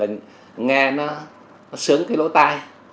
nghe nó sướng cái lỗ tai